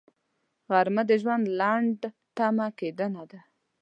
غرمه د ژوند لنډ تم کېدنه ده